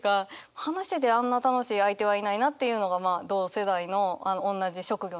話しててあんな楽しい相手はいないなっていうのがまあ同世代のおんなじ職業の人ですね。